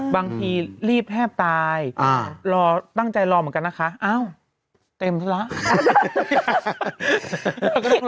บางทีรีบแทบตายรอตั้งใจรอเหมือนกันนะคะอ้าวเต็มซะแล้ว